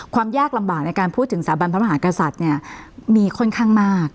ความยากลำบากในการพูดถึงสถาบันพระมหากษัตริย์เนี่ยมีค่อนข้างมาก